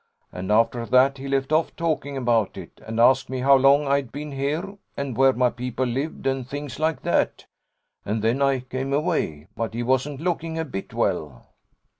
And after that he left off talking about it, and asked me how long I'd been here, and where my people lived, and things like that: and then I came away: but he wasn't looking a bit well."